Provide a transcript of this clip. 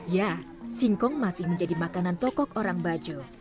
ya singkong masih menjadi makanan pokok orang bajo